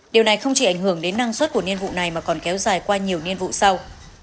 điều này không chỉ ảnh hưởng đến năng suất của niên vụ này mà còn kéo dài qua nhiều niên vụ sau